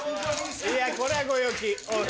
いやこれはご陽気。